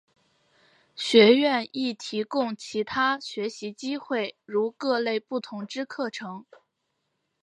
学院亦提供其他学习机会如各类不同之课程。